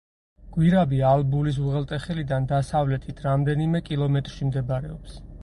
გვირაბი ალბულის უღელტეხილიდან დასავლეთით რამდენიმე კილომეტრში მდებარეობს.